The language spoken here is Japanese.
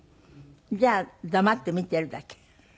じゃあ黙って見てるだけ？